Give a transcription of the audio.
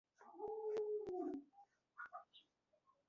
د کیوبا پاچاهۍ په رامنځته کېدو تمام شو.